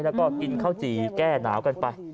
แล้วก็กินข้าวจี่แก้หนาวกันไป